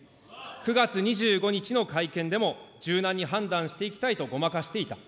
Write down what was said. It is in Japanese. ９月２５日の会見でも柔軟に判断していきたいと、ごまかしていた。